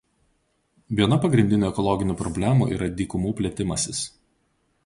Viena pagrindinių ekologinių problemų yra dykumų plėtimasis.